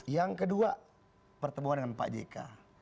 yang kedua pertemuan dengan pak jk